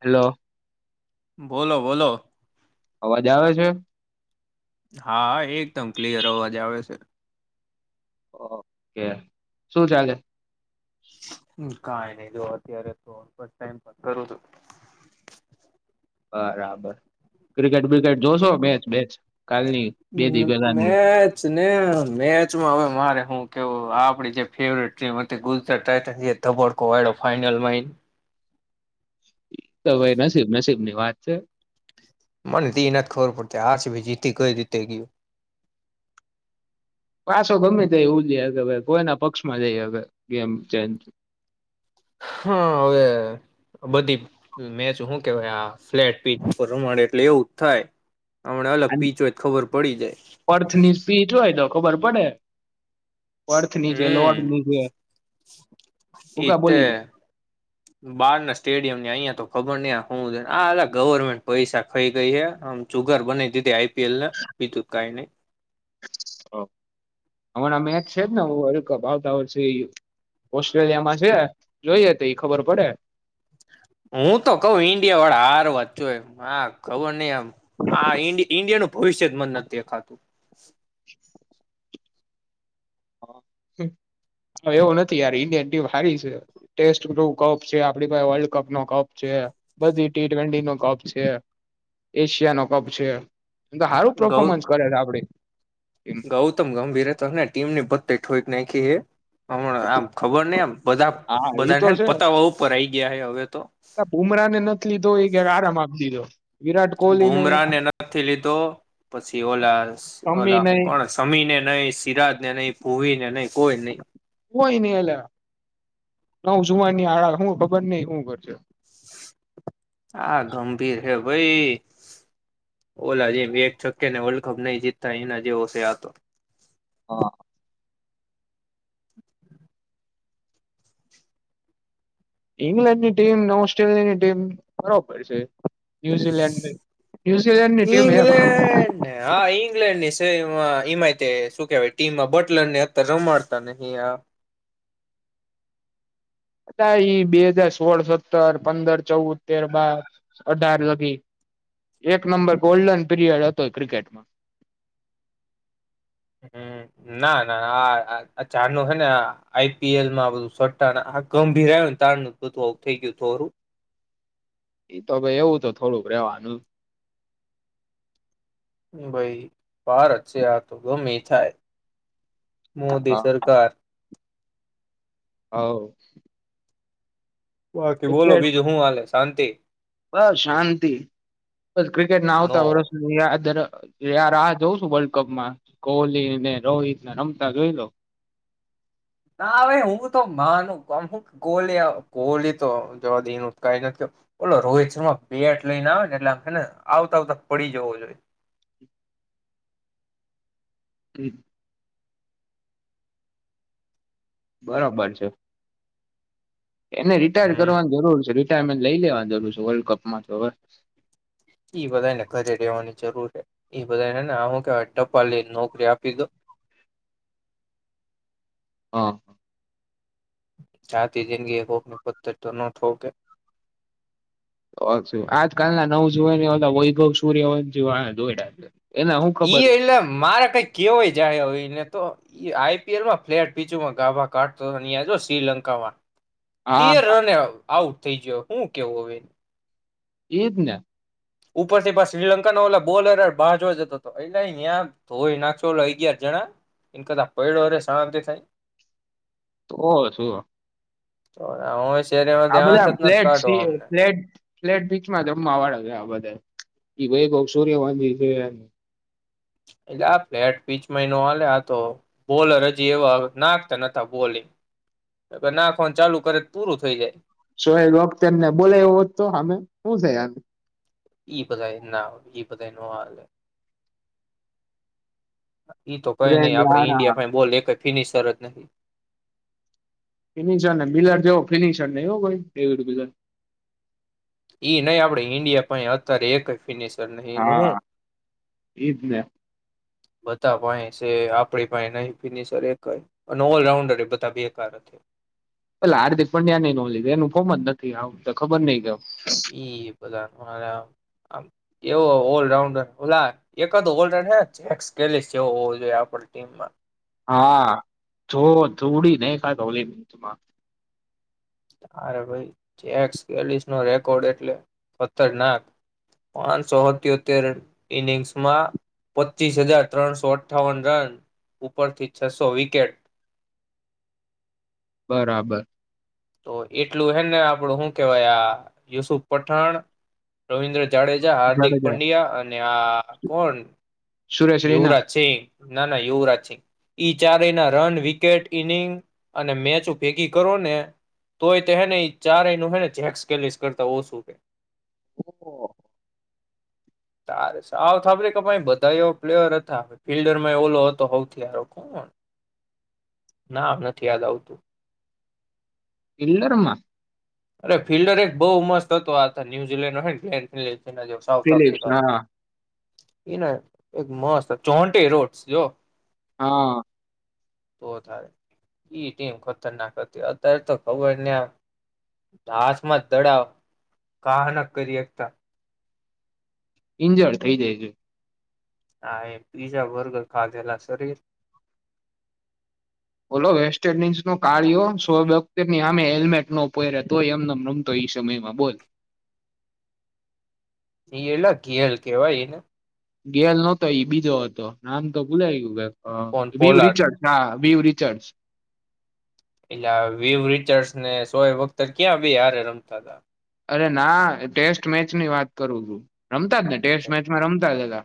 Hello બોલો બોલો અવાજ આવે છે. હા એકદમ ક્લિયર અવાજ આવે છે. ઓકે શું ચાલે હમ કાઈ ની. જો અત્યારે તો જ ટાઈમ કરું છું. બરાબર ક્રિકેટ બ્રિકેટ જોશો મેચ બેચ કાલની બે દી પેલાની મેચને મેચમાં હવે મારે હું કેવુ આપડી જે ફેવરેટ ટીમ હતી ગુજરાત ટાઈટન એ ધબડકો વાયળો ફાઈનલમાં આઈને તો અવે નસીબ નસીબની વાત છે. મને તે નાથી ખબર પડતી આરસીબી જીતી કઈ રીતે ગીયું. પાછો ગમે તે ઉ જ કે કોઈના પક્ષમાં જઈ હવે ગેમ ચેનજ હા હવે બધી મેચ હું કેવાય આ ફ્લેટ પીચ પર રમાડે એટલે એવું જ થાય. હમણા અલગ પીચ હોય ખબર પડી જાય. પર્થની સ્પીચ હોય તો ખબર પડે પર્થની છે હમ લોર્ડની છે ભૂકા એતે બોલી બાર ના સ્ટેડિયમ ને અહિયાં તો ખબર નઈ આ હું છે ને આ ગવર્મેન્ટ પૈસા ખઈ ગઈ આમ જુગાર બનાય દીધી આઈપીએલને બીજું કઈ નઈ હમણા મેચ છે જ ને વર્લ્ડ કપ આવતા વર્ષે ઓસ્ટ્રેલિયામાં છે જોઈએ તો એ ખબર પડે હું તો કઉ ઈન્ડિયા વાળા હાર વાજ જોઈએ હા ખબર ની આમ આ ઈ ઇન્ડીયનુ ભવિષ્ય જ મન નથી દેખાતું. એવું નથી યાર ઇન્ડિયન ટીમ હારી છે ટેસ્ટપ છે આપડી પાસે વલ્ડ કપનો કપ છે બધી ટી ટ્વેન્ટીનો કપ છે એશિયાનો કપ છે. એમ તો સારું ગૌ પફોર્મન્સ કરે છે આપડે ગૌતમ ગંભીર હતોને ટીમની પત ટેટ હોક નઈ કી હ [inaudible] હમણા આમ ખબર નઈ, આમ બધા હા બધાનને પતાવ ઉપર આવી ગયા. ગયા ય હવે! તો બુમરા ને નથી લીધો ઈ એને આરામ આપી દીધો. વિરાટ કોહલી નહી બુમરાને નથી લીધો, પછી ઓલા શમી ઓલા હું નહી કોણ સમીને નહી, સિરાજ ને નહી, ભૂવીને નહી, કોઈ નહી. કોઈ નઈ એલા નવ જુવાની આળા, હું ખબર નહી શું કરશે? હા ગંભીર હે ભાઈ ઓલા જે, એક છકે ને વર્લ્ડ કપ નહી જીતતા એના જેવો છે. આ તો હા! [inaudible] ઈંગ્લેન્ડ ની ટીમ, ઓસ્ટ્રેલિયાની ટીમ, બરોબર છે. ન્યુઝીલેન્ડ ન્યુઝીલેન્ડની ટીમ હે ઇંગ્લેન્ડને હા ઇંગ્લેન્ડ ની સે એમાં, એમાંય તે શું કેવાય ટીમમાં બટલર ને અત્યારે રમાડતા નહી. આ અતા ઈ બે હજાર સોળ, સત્તર, પંદર, ચૌદ, તેર, બાર, અઢાર લગી એક નંબર ગોલ્ડન પીરિયડ હતો ક્રિકેટમાં. હમ ના ના આ ચારનું છે ને, આઈ પી એલમાં બધું સટા, આ ગંભીર આવ્યું ને તારનું બધું થઈ ગયું થરું. એ તો ભાઈ એવું તો, થોડુંક રેવાનું. ભાઈ પાર છે આ તો ગમે ઈ થાય. મોદી હા. સરકાર હોઉ ઓકે બોલો બીજુ હું હાલે? શાંતિ બસ શાંતિ બસ ક્રિકેટ ના નો આવતા વરષ નુ યાર યાર આ જોઉં છું, વર્લ્ડ કપમાં કોહલી ને, રોહિત ને, રમતા જોઈ લો. ના આવે હું તો માનું આમ હુ કે કોહલી કોહલી તો જોવા દઈ એનુ તો કઈ નથી, ઓલો રોહિત શર્મા બેટ લઈને આવેને એટલે આને આવતા આવતા પડી જવો જોઈએ. ક [inaudible] બરાબર છે! એને રિટાયર્ર હમ કરવાની જરૂર છે. રિટાયરમેન્ટ લઈ લેવાની જરૂર છે વર્લ્ડ કપમાં હવે એ બધાને ઘરે રેવાની જરૂર છે. એ બધાને હું કે ટપાલી ની નોકરી આપી દો. હા આખી જિંદગી કોક ની પથ્થર તો નો ઠોકે. આજકાલના નવ જુવાનિયા ઓલા વૈભવ સૂર્યવંશી વાહે દોડ્યાં છે. એને હું ઈ ખબર એટલે મારે કઈ કેવાય જાય હો. આઈપીએલમાં ફલેટ પીચમાં ગાભા કાઢતો હતો અયા જો શ્રીલંકામાં હા તેર રને આઉટ. આઉટ થઈ ગયો શું કેવું હવે એને? એજ ને ઉપર થી પા શ્રીલંકા ના ઓલા બોલર બહાર જોવા જતો હતો એ ધોય નાખો ઓ અગયાર જણા એના કરતા પૈડો રે શાંતિ થી થઈ તોહ શું તો હોય આ બધા ફ્લેટ ફ્લેટ ફ્લેટ પીચમાં રામવા વાળા છે બધા એ ભૈ સૂર્ય વંશી એટલે આ ફ્લેટ પીચ મહિનો હ્યા આ તો બોલર હજી એવા નાખતા ન બોલિંગ નાખવાનું ચાલુ કરે પૂરું થઈ જાય શોએબ અખ્તર ને બોલાય હોત તો હામે તોહ શું થઈ એ પતા એ એ પતા એનો હાલ એઈ તો કઈ બ્રેન નઈિ આપડે લારા ઈન્ડિયા બોલિંગ અજ ફિનીિશર ને ફિનિશર ને મિલર જેવો ફિનિશર નહીં હો ઈ નહી આપડે ઈન્ડિયા પા અત્યારે એક ફિનિશર નહી એનું હું હા એજ ને બધા ભ છે આપડી પાહે નહી ફિનિશર એક એ ઓલરાઉન્ડર એ બધા બેકાર જ છે પલે હાર્દિક પંડ્યા ન નો લીધો એનું ફોર જ નથી આવ ખબર નઈિ કેમ એ બધાના આમ એવો ઓલરાઉન્ડર ઓલા એકજ ઓલરાઉન્ડેડર હે જેક્સ એલિસ જેવું હોવો જોઈએ ટીમ માં હા જો જોડી નાખ્યા તા ઓલી મેચ માં તારે ભાઈ જેક એલિસ નો રેકોર્ડ એટલે ખતરનાક પાંચસો સત્યોતેર ઈનિંગ્સમાં પચીસ હજાર ત્રણસો અઠ્ઠાવન રન ઉપરથી છસો વિકેટ બરાબર તો એટલું હે ને આપડું શું કેવાય આ યુસુફ પઠાણ રવિન્દ્ર જાડેજા હાર્દિક જાડેજા પંડ્યા અને આ કોણ સુરેશ રૈના યુવરાજ સિંહ ના ના યુવરાજ સિં ઈ ચારેય ના રન વિકેટ ઈનિંગ અને મેચ ભેગી કરો ને તોયે ચારે નું હે ને જેક એલિસ કરતા ઓછું હૈ ઓહો તારે સાવ થબરે કે ભાઈ બધા એવો પ્લેયર હતા ફિલ્ડર માં એ ઓલો હતો હઉથીયારખોણ નામ નથી યાદ આવતું ફિલ્ડર ઓમા અરે ફિલ્ડર એક બહુ મસ્ત હતો આ ન્યુઝીલેન્ડ નો હૈ ને જે સાઉથ ફિલિપ્સ આફ્રિકાનો હા એ ના એક મસ્ત જોન્ટી રોડ્સ હા તો ઈ ટીમ ખતરનાક હતી અત્યારે તો ખબરને આ દાસ માં દડાવ કઈ નઈ કરી શકતા ઈન્જરડ થઇ જાય છે હા પીઝા બર્ગર ખાધેલા શરીર ઓલો વેસ્ટ ઇન્ડિઝ ન કડિયો શોએબ અખ્તર ને સામે સામે હેલ્મેટ નો પેરે તોય એમ રમતો એ સમયમાં બોલ એલા ઘેલ કેવાયને ગેલ નતો ઈ બીજો હતો નામ તો ભુલાય ગયું. વે હ કોણ વિવ પોલાડ રિચાર્ડ હા. બીવ રિચર્ડસ એટલે આ વીવ રીચાર્ડસ ને સોયબઅખ્તર ક્યાં બી હારે રમતા તા. અરે ના ટેસ્ટ મેચની વાત કરું છું. રમતા જ ને ટેસ્ટ અચ્છા મેચમાં રમતા જ હતા.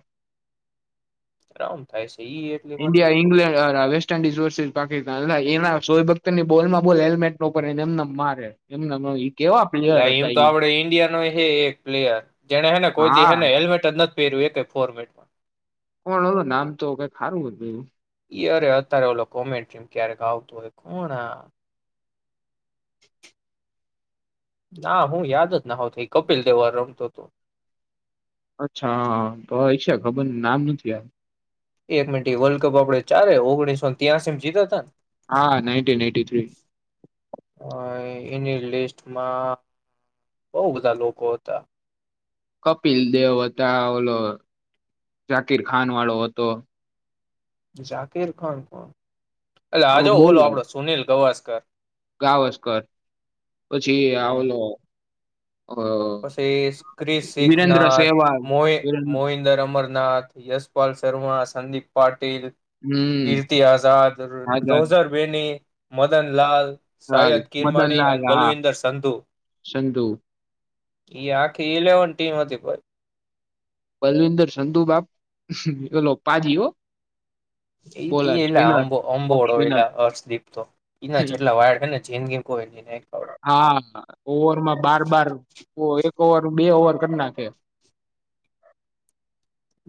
આમ થાય છે. ઈ એટલી મને નથી ઇન્ડિયા ખબર ઇંગ્લેન્ડ અહ આવેસ્ટ તેનઇન્ડિશ વરસીસ પાકિસ્તાન અલા એના સોયેબખ્તરની બોલમાં બોલ હેલ્મેટ ઉપરને એમ નેમ મારે એમ નેમ ઈ એટલા એમ તો આપડે ઈન્ડિયાનો એ હે એક પ્લેયર જેને હેને કોઈ દી હા હેલ્મેટ જ નથ પેર્યું એકે ફોર્મેટમાં. કોણ ઓલો નામ તો કઈ હારું હતું એવું. ઈ અરે અત્યારે ઓલો કોમેન્ટ્રી ક્યારેક આવતું હોય કોણ આ [inaudible] ના હું યાદ જ ના હોત ઈ કપિલ દેવા રમતો હતો. અચ્છા હા તો એ છે ખબર નામ નથી આ એક મિનિટ એ વર્લ્ડ કપ આપડે ચારે ઓગણીસો ત્યાંસીમ જીતા ને? હા નાઈન્ટીન એટી થ્રી. ને અ એની લિસ્ટમાં બૌ બધા લોકો હતા. કપિલ દેવ હતા ઓલો જાકીર ખાન વાળો હતો. જાકીર ખાન કોણ? એટલે આ આપડો જો ઓલો બોલર આપડો સુનિલ ગવાસ ઘ. ગાવસ્કર પછી આ હમ ઓલો અ પછી વિરેન્દ્ર ક્રિશીખનાથ સહેવાગ મોએ વિરેન્દ્ર મોહિન્દર અમર નાથ યશપાલ શર્મા સંદીપ પાટ ટિલ હમ કીર્તિ આઝાદ રો આઝાદ રોઝર બેની મદન લાલ હાલ સાયદ કિરમાની મદનલાલ અને હા બલવિંદર સંધુ સંંધુ. એ આખી ઇલેવન ટીમ હતી ભઈ. બલવિંદર સંંધુબાપ ઓલો પાજીઓ. ઈત એલાં ઓફ અંબ-અંબોળો સ્પિનર એલા હર્ષદીપ તો એના જેટલા વાડ હેને જેન ગેન કોઈની. હા ઓવરમાં બાર બાર કોએ ઓવર બે ઓવર કર નાખે.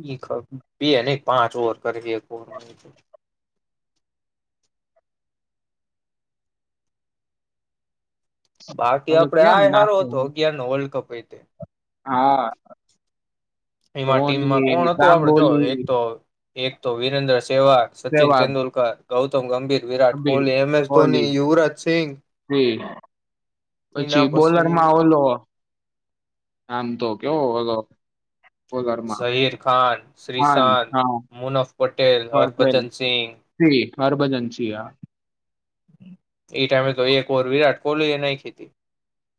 ઈ ખબ બે નહી પાંચ ઓવર કરીદે એક ઓવર માં એ તો. બાકી હવે આપડે કેમ આય હાર નાખે તો અગિયારનો વર્લ્ડ કપ. હોય તે. હા. એમાં ટીમમાં કોણ ધોની, હતું? આપડે જો એક ગાંગોલી, તો એક તો વીરેન્દ્ર શેવા, સચિન સેવાગ, તેંડુલકર ગૌતમ ગંભીર વિરાટ કબીર, કોહલી, એમ એસ કોહલી, ધોની, યુવરાજ સિંંગ શ્રી ઈના પછી પસી બોલરમાં ઓલો આમ તો કેવો હતો. શહિર ખાન, ખાન શ્રીશાંત, હા મુનફ પટેલ, પટેલ હરભજન સિંઘ. સિંહ હરભજન સિંહ હા. ઈ ટાઈમે તો એક ઓવર વિરાટ કોહલી એ નાયખીતી.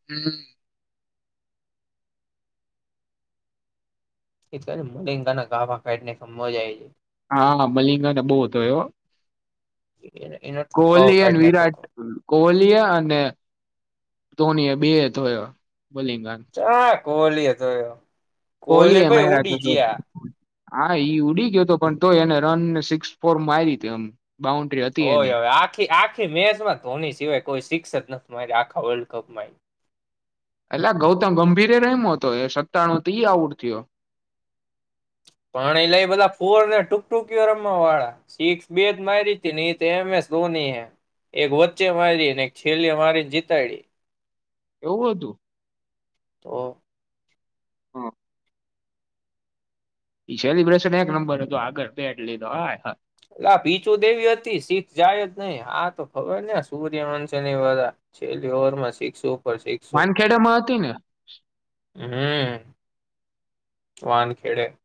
હમ્મ. એટલે મલિંગાના કાભા કાયઢ નાયખા મજા આઈ ગઈ. હા મલિંગાને બો હતો એ હો. જાય એનો ઠુકાવો કોહલી અન કાઢી નાખ્યો વિરાટ, કો. કોહલી અને ધોની. બે યે ધોયો. મલિંગાને. ચા કોહલી હતો એ. કોલીએ માયરા [unintelligible] હા ઈ ઉડી ગયોતો પણ તો એને રનને સિક્સ ફોર માયરી તી એમ. બાઉન્ડ્રી હતી હોય એની હવે આખી આખી મેચમાં ધોની સિવાય કોઈ સિક્સ જ નથ મારે આખા વર્લ્ડ કપમાંય. એટલે આ ગૌતમ ગંભીરે રયમો તો એ સત્તાણું તે ઈ આઉડ થયો. પાણી લઈ બધા ફોર ને ટૂક ટૂકયો રમવા વાળા સિક્સ બે જ માયરીતીન એતો એમએસ ધોની એ એક વચ્ચે માયરીને એક છેલે મારીને જીતાયડી. એવું હતું? તો. હા. ઈ સેલિબ્રેશન એક નંબર હતું આગળ બે એટ લીધો હા. લા પીચું જ દેવી હતી સિક્સ જાય જ નઈ આ હા તો ખબર ને સૂર્યવંશ વા છેલ્લી ઓવર માં સિક્સો ઉપર સિક્સો વાનખેડામાં હતી ને? હમ્મ, વાનખેડે.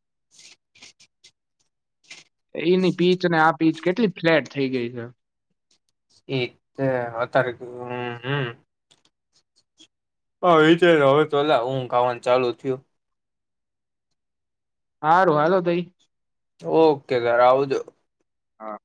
[inaudible] ઈની પીચ અને આ પીચ કેટલી ફ્લેટ થઈ ગઈ છે. એ તો અતાર હમ્મ હમ્મ. હા વિચાર હવે તો લા ઊંઘ આવાનું ચાલુ થયું. હારું હાલો તઈ. ઓકે ઘરે આવજો. હા.